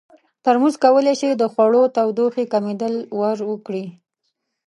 ترموز کولی شي د خوړو تودوخې کمېدل ورو کړي.